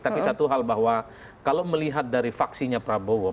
tapi satu hal bahwa kalau melihat dari faksinya prabowo